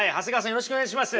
よろしくお願いします。